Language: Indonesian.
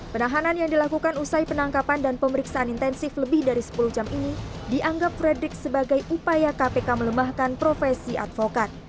penahanan yang dilakukan usai penangkapan dan pemeriksaan intensif lebih dari sepuluh jam ini dianggap frederick sebagai upaya kpk melemahkan profesi advokat